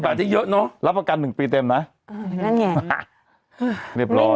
๓๕๐บาทจะเยอะเนอะรับประกัน๑ปีเต็มนะเรียบร้อยนั่นไง